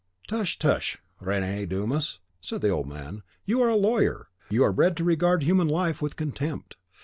"Tush, tush, Rene Dumas!" said the old man, "you are a lawyer. You are bred to regard human life with contempt.